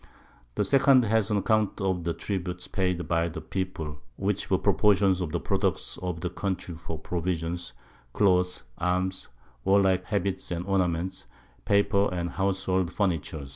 The second has an Account of the Tributes paid by the People, which were Proportions of the Product of the Country for Provisions, Clothes, Arms, warlike Habits and Ornaments, Paper and Houshold Furniture.